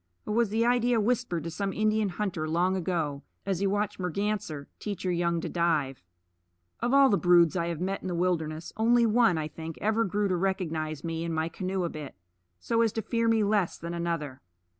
Or was the idea whispered to some Indian hunter long ago, as he watched Merganser teach her young to dive? Of all the broods I have met in the wilderness, only one, I think, ever grew to recognize me and my canoe a bit, so as to fear me less than another.